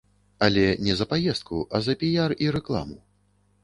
Але не за паездку, а за піяр і рэкламу.